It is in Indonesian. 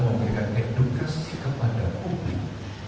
memberikan edukasi kepada publik